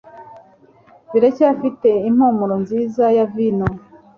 biracyafite impumuro nziza ya vino